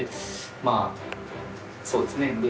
まあそうですね